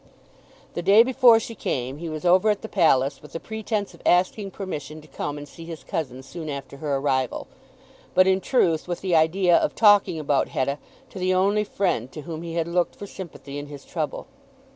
The day before she came he was over at the palace with the pretence of asking permission to come and see his cousin soon after her arrival, but in truth with the idea of talking about Hetta to the only friend to whom he had looked for sympathy in his trouble.